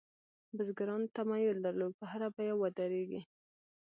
بزګرانو تمایل درلود په هره بیه ودرېږي.